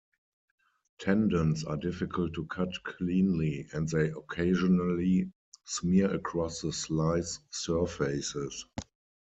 Tendons are difficult to cut cleanly, and they occasionally smear across the slice surfaces.